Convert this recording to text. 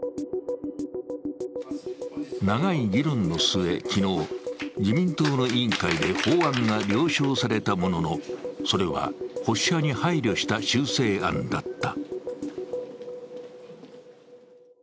長い議論の末、昨日、自民党の委員会で法案が了承されたものの、それは保守派に配慮した修正案だった。